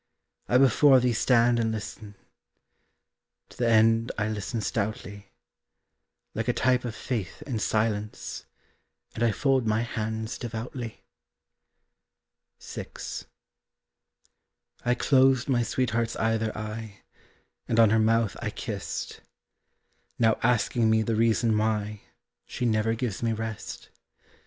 I before thee stand and listen; To the end I listen stoutly, Like a type of faith in silence, And I fold my hands devoutly. VI. I closed my sweetheart's either eye, And on her mouth I kissed, Now asking me the reason why She never gives me rest.